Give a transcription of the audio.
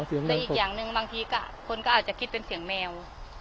แต่อีกอย่างหนึ่งบางทีคนก็อาจจะคิดเป็นเสียงแมว